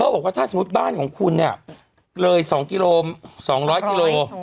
เขาบอกว่าถ้าสมมติบ้านของคุณเนี้ยเลยสองกิโลสองร้อยกิโล